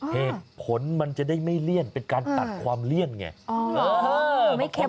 เหตุผลมันจะได้ไม่เลี่ยนเป็นการตัดความเลี่ยนไงอ๋อไม่เค็มมันด้วย